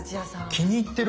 気に入ってる。